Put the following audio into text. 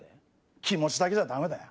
気持ちだけじゃダメだよ。